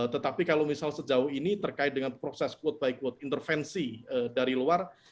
tetapi kalau misal sejauh ini terkait dengan proses quote by quote intervensi dari luar